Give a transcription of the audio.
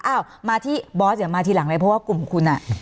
อ้าวมาที่บอสเดี๋ยวมาทีหลังเลยเพราะว่ากลุ่มคุณอ่ะ